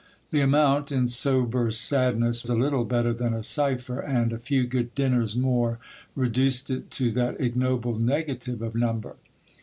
The amount, in sober sadness, was little better than a cypher, and a few good dinners more reduced it to that ignoble negative of number.